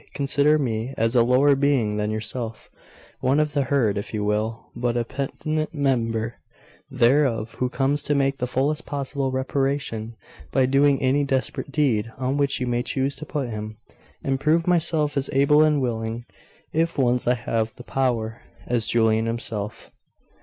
Consider me as a lower being than yourself, one of the herd, if you will; but a penitent member thereof, who comes to make the fullest possible reparation, by doing any desperate deed on which you may choose to put him, and prove myself as able and willing, if once I have the power, as Julian himself.